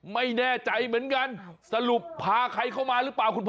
ไม่แน่ใจเหมือนกันสรุปพาใครเข้ามาหรือเปล่าคุณพ่อ